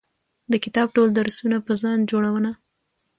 د کتاب ټول درسونه په ځان جوړونه